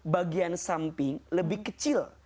bagian samping lebih kecil